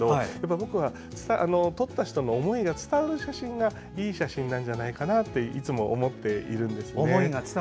僕は、撮った人の思いが伝わる写真がいい写真なんじゃないかなといつも思っているんですね。